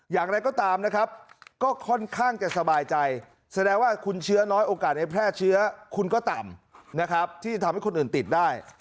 อย่างไรก็ตามนะครับก็ค่อนข้างจะสบายใจแสดงว่าคุณเชื้อน้อยโอกาสในแพร่เชื้อคุณก็ต่ำนะครับที่ทำให้คนอื่นติดได้